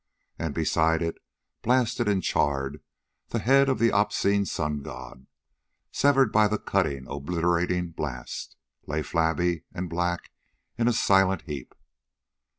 And beside it, blasted and charred, the head of the obscene sun god, severed by the cutting, obliterating blast, lay flabby and black in a silent heap.